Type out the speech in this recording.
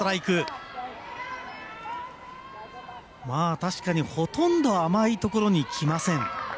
確かに、ほとんど甘いところにきません。